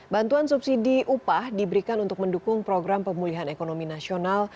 bantuan subsidi upah diberikan untuk mendukung program pemulihan ekonomi nasional